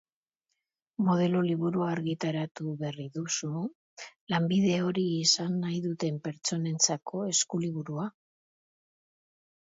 Modelo liburua argitaratu berri duzu, lanbide hori izan nahi duten pertsonentzako eskuliburua.